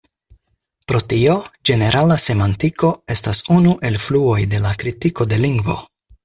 Pro tio ĝenerala semantiko estas unu el fluoj de la kritiko de lingvo.